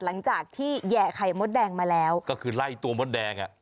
หลังจากที่แห่ไข่มดแดงมาแล้วก็คือไล่ตัวมดแดงอ่ะ